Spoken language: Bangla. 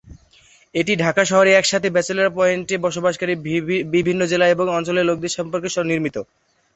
এটি ঢাকা শহরে একসাথে ব্যাচেলর পয়েন্টে বসবাসকারী বিভিন্ন জেলা এবং অঞ্চলের লোকদের সম্পর্কে নির্মিত।